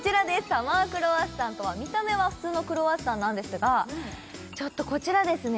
サマークロワッサンとは見た目は普通のクロワッサンなんですがちょっとこちらですね